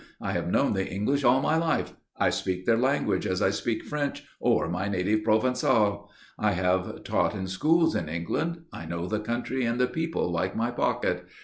"I have known the English all my life. I speak their language as I speak French or my native Provençal. I have taught in schools in England. I know the country and the people like my pocket.